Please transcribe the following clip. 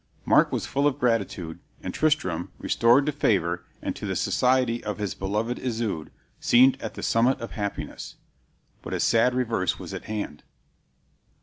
Mark was full of gratitude, and Tristram, restored to favor and to the society of his beloved Isoude, seemed at the summit of happiness. But a sad reverse was at hand.